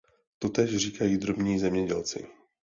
Totéž říkají drobní zemědělci.